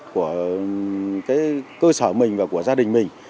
của cơ sở mình và của gia đình mình